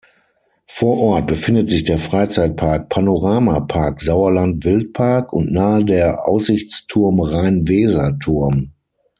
Vor Ort befindet sich der Freizeitpark Panorama-Park Sauerland Wildpark und nahe der Aussichtsturm Rhein-Weser-Turm.